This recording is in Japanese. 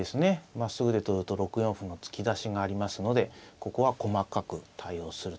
まっすぐで取ると６四歩の突き出しがありますのでここは細かく対応するところです。